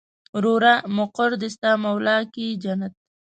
وروره مقر دې ستا مولا کې جنت.